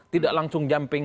tidak langsung jamping